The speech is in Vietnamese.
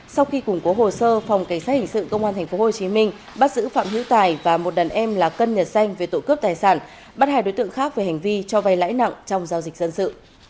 sau khi củng cố hồ sơ phòng cảnh sát hình sự công an tp hcm bắt giữ phạm hữu tài và một đàn em là cân nhật xanh về tội cướp tài sản bắt hai đối tượng khác về hành vi cho vay lãi nặng trong giao dịch dân sự